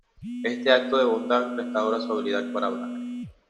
Este acto de bondad restaura su habilidad para hablar.